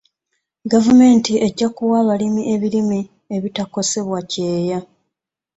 Gvaumenti ejja kuwa abalimi ebirime ebitakosebwa kyeeya.